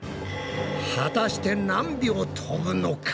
果たして何秒飛ぶのか？